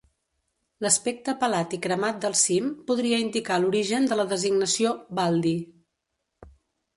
L'aspecte pelat i cremat del cim podria indicar l'origen de la designació "Baldy".